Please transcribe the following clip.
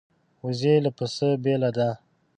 وزې له پسه بېله ده